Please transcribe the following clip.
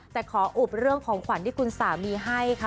แต่ขออุบเรื่องของขวัญที่คุณสามีให้ค่ะ